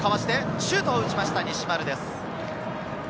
シュートを打ちました西丸です。